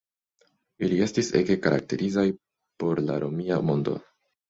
Ili estis ege karakterizaj por la Romia mondo.